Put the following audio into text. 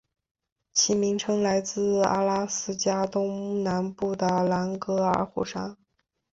其名称来自阿拉斯加东南部的兰格尔火山。